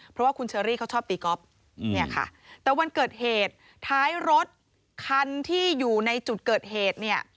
เพราะว่าคุณเชอรี่เขาชอบตีก๊อฟเนี่ยค่ะแต่วันเกิดเหตุท้ายรถคันที่อยู่ในจุดเกิดเหตุเนี่ย